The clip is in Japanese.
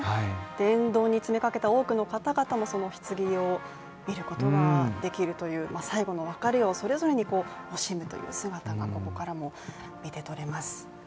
沿道に詰めかけた多くの方々もそのひつぎを見ることができるという最後の別れをそれぞれに惜しむという姿がここからも見て取れます。